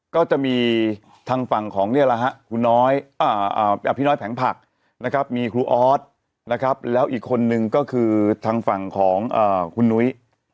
ก็จะมีทางฝั่งของพี่น้อยแผงผักมีครูออสแล้วอีกคนหนึ่งก็คือทางฝั่งของคุณนุ้ย